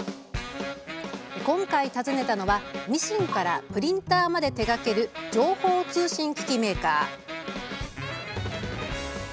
今回訪ねたのはミシンからプリンターまで手がける情報通信機器メーカー。